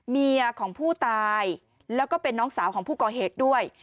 เมียของผู้ตายแล้วก็เป็นน้องสาวของผู้ก่อเหตุด้วย